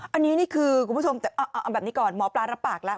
อันนี้นี่คือคุณผู้ชมแต่เอาแบบนี้ก่อนหมอปลารับปากแล้ว